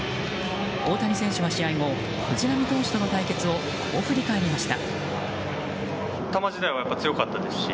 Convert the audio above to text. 大谷選手の試合を藤浪投手との対決をこう振り返りました。